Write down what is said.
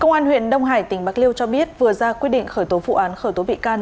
công an huyện đông hải tỉnh bạc liêu cho biết vừa ra quyết định khởi tố vụ án khởi tố bị can